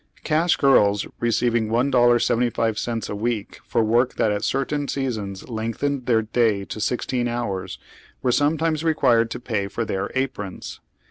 Cash girls receiving $1.75 a week for work that at cer tain seasons lengthened their day to sixteen hours were sometimes required to pay for their aprons.